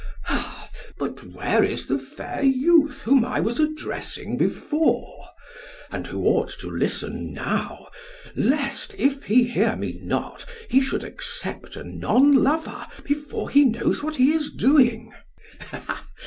SOCRATES: But where is the fair youth whom I was addressing before, and who ought to listen now; lest, if he hear me not, he should accept a non lover before he knows what he is doing?